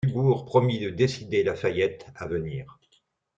Dubourg promit de décider Lafayette à venir.